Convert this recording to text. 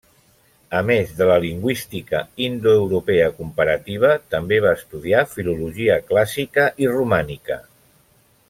A més de la lingüística indoeuropea comparativa, també va estudiar filologia clàssica i romànica.